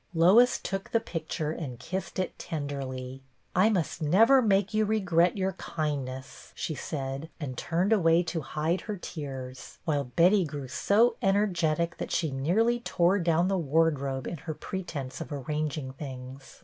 Lois took the picture and kissed it tenderly. " I must never make you regret your kind ness," she said, and turned away to hide her tears, while Betty grew so energetic that she nearly tore dow'ii the wardrobe in her pre tense of arranging things.